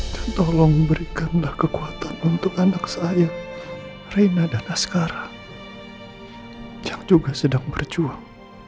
dan tolong berikanlah kekuatan untuk anak saya reina dan askara yang juga sedang berjuang